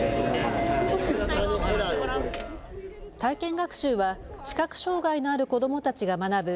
体験学習は視覚障害のある子どもたちが学ぶ